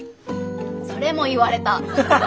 それも言われた！